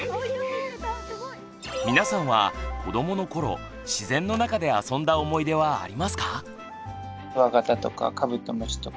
皆さんは子どものころ自然の中であそんだ思い出はありますか？